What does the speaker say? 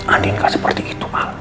andien gak seperti itu al